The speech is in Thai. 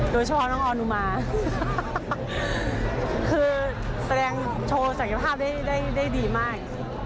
โดยเฉพาะน้องออนอุมาคือแสดงโชว์ศักยภาพได้ดีมาก